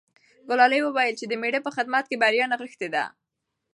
ګلالۍ وویل چې د مېړه په خدمت کې بریا نغښتې ده.